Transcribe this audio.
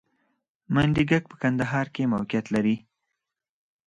منډیګک په کندهار کې موقعیت لري